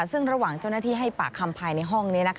ซึ่งระหว่างเจ้าหน้าที่ให้ปากคำภายในห้องนี้